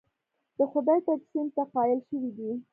د خدای تجسیم ته قایل شوي دي.